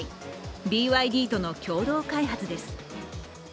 ＢＹＤとの共同開発です。